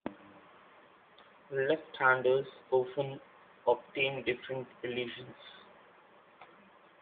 Left-handers often obtain different illusions.